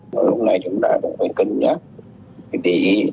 lúc này chúng ta cũng phải cân nhắc để ý